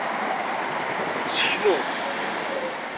Seknu.